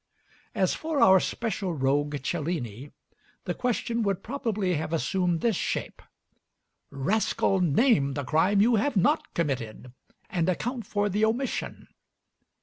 As for our special rogue Cellini, the question would probably have assumed this shape: "Rascal, name the crime you have not committed, and account for the omission."